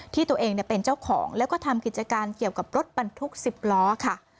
ที่ตัวเองเป็นเจ้าของแล้วก็ทำกิจการเกี่ยวกับรถบรรทุก๑๐ล้อค่ะ